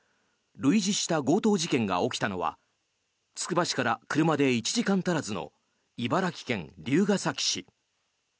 類似した強盗事件が起きたのはつくば市から車で１時間足らずの茨城県龍ケ崎市。